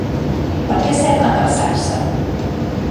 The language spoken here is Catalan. Per què sembla que el sacsa?